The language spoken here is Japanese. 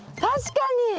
確かに！